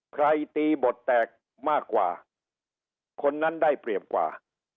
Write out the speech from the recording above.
ใครตีบทแตกมากกว่าคนนั้นได้เปรียบกว่า